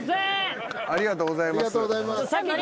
ありがとうございます。